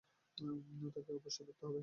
তাকে অবশ্যই ধরতে হবে।